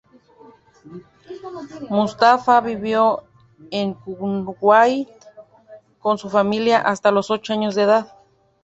Mustafa vivió en Kuwait con su familia hasta los ocho años de edad.